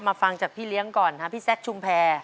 ฟังจากพี่เลี้ยงก่อนครับพี่แซคชุมแพร